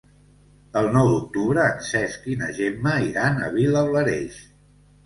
El nou d'octubre en Cesc i na Gemma iran a Vilablareix.